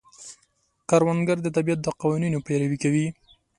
کروندګر د طبیعت د قوانینو پیروي کوي